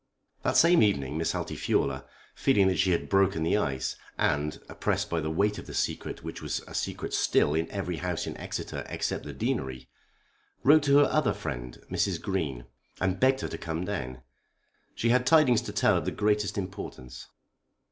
That same evening Miss Altifiorla, feeling that she had broken the ice, and, oppressed by the weight of the secret which was a secret still in every house in Exeter except the Deanery, wrote to her other friend Mrs. Green, and begged her to come down. She had tidings to tell of the greatest importance.